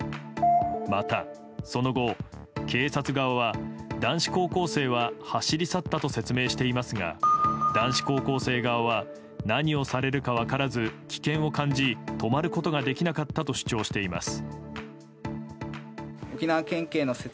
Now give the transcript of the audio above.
またその後、警察側は男子高校生は走り去ったと説明していますが男子高校生側は何をされるか分からず危険を感じ止まることができなかったと主張しています。